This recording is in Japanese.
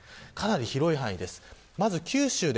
かなり広い範囲です。